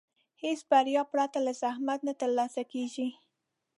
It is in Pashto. هېڅ بریا پرته له زحمت نه ترلاسه کېږي.